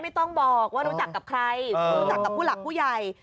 ไม่ต้องบอกว่ารู้จักกับใครรู้จักกับผู้หลักผู้ใหญ่